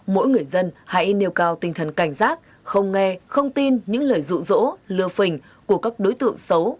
mỗi người dân hãy nêu cao tinh thần cảnh giác không nghe không tin những lời rụ rỗ lừa phình của các đối tượng xấu